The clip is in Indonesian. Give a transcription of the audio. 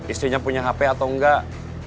istrinya punya hp atau enggak